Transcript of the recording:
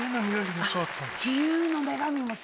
自由の女神も。